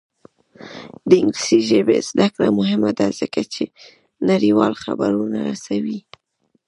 د انګلیسي ژبې زده کړه مهمه ده ځکه چې نړیوال خبرونه رسوي.